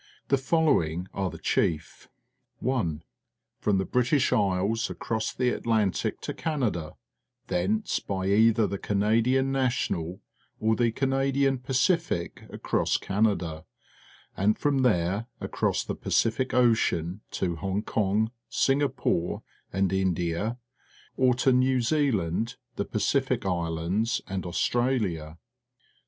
The following are the chief: 1. (■ From the British Isles across the Atlantic to Canada, thence by either the Canadian ' National or the Canadian Pacific across j Canada, and from there across the Pacific N Ocean to Hong Kong, Singapore, and India, or to New Zealand, the Pacific Islands, and Australia.